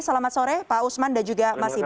selamat sore pak usman dan juga mas iman